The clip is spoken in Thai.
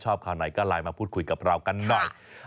ข่าวไหนก็ไลน์มาพูดคุยกับเรากันหน่อย